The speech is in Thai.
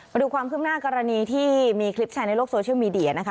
มาดูความขึ้นหน้ากรณีที่มีคลิปแชร์ในโลกโซเชียลมีเดียนะคะ